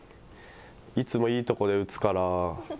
いつもいいとこで打つから。